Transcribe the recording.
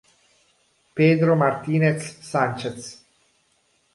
Pedro Martínez Sánchez